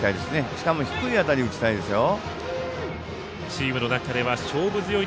しかも、低い当たり打ちたいですよ。